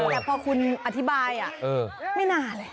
แต่พอคุณอธิบายไม่นานเลย